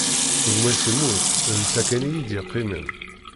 Gma-s immut, d netta kan i yi-d-iqqimen.